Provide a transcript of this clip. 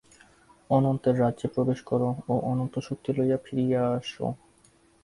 অনন্তের রাজ্যে প্রবেশ কর ও অনন্ত শক্তি লইয়া ফিরিয়া আইস।